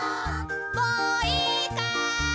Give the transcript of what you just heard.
もういいかい。